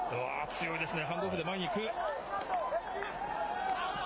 強いですね。